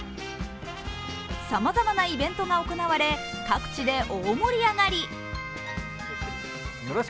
さまざまなイベントが行われ各地で大盛り上がり。